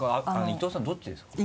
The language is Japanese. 伊藤さんどっちですか？